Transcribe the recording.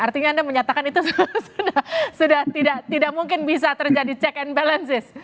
artinya anda menyatakan itu sudah tidak mungkin bisa terjadi check and balances